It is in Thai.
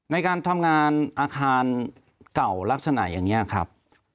ในการทำงานอาคารเก่าลักษณะอย่างนี้ครับ